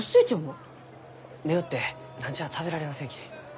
寝よって何ちゃあ食べられませんき。